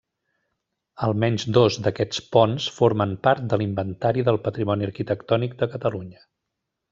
Almenys dos d'aquests ponts formen part de l'Inventari del Patrimoni Arquitectònic de Catalunya.